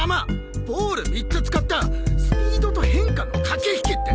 ボール３つ使ったスピードと変化のかけひきって。